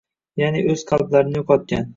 Ya’ni o‘z qalblarini yo‘qotgan